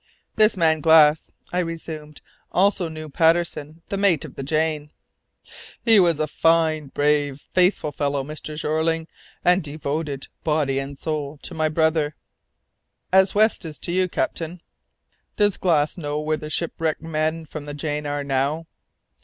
"This man, Glass," I resumed, "also knew Patterson, the mate of the Jane." "He was a fine, brave, faithful fellow, Mr. Jeorling, and devoted, body and soul, to my brother." "As West is to you, captain." "Does Glass know where the shipwrecked men from the Jane are now?"